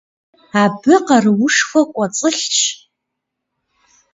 Абы къаруушхуэ кӀуэцӀылъщ.